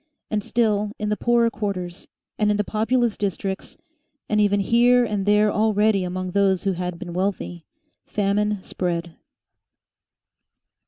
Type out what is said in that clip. And still in the poorer quarters, and in the populous districts, and even here and there already among those who had been wealthy, famine spread.